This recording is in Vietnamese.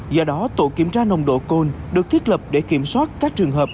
do đó tổ kiểm tra nồng độ cồn được thiết lập để kiểm soát các trường hợp